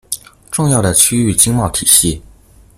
重要的區域經貿體系